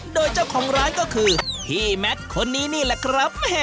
โดยเจ้าของร้านก็คือพี่แมทคนนี้นี่แหละครับ